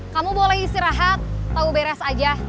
kamu boleh istirahat tahu beres aja